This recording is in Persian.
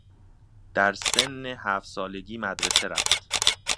در سن هفت سالگی مدرسه رفت